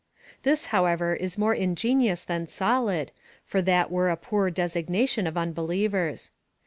^ This, how ever, is more ingenious than solid, for that were a poor de signation of unbelievers.